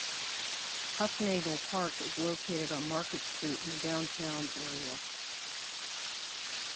Hufnagle Park is located on Market Street in the downtown area.